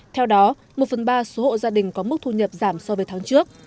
theo đó một phần ba số hộ gia đình có mức thu nhập giảm so với tháng trước